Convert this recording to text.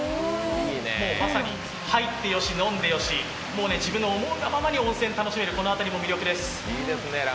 もうまさに、入ってよし、飲んでよしもう自分の思うがままで温泉を楽しめる、この辺りが魅力です。